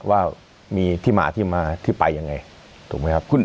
ว่ามีที่มาที่มาที่ไปยังไงถูกไหมครับ